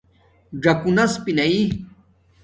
ژَکونس پِینائ